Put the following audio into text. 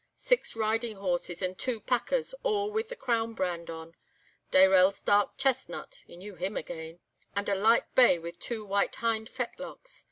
Six riding horses, and two 'packers' all with the Crown brand on. Dayrell's dark chestnut, he knew him again. And a light bay with two white hind fetlocks.